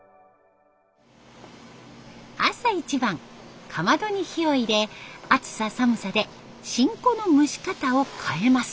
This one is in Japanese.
朝一番かまどに火を入れ暑さ寒さでしんこの蒸し方を変えます。